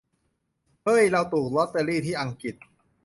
เฮ้ย เราถูกล็อตเตอรี่ที่อังกฤษ !